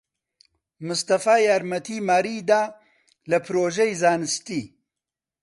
مستەفا یارمەتیی ماریی دا لە پرۆژەی زانستی.